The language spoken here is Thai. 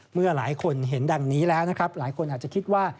เมื่อหลายคนเห็นดังนี้แล้วนะครับหลายคนอาจจะคิดว่า